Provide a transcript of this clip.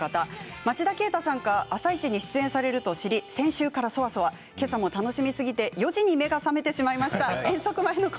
町田啓太さんが「あさイチ」に出演されると知り先週からけさも楽しみすぎて朝４時に目が覚めてしまいました。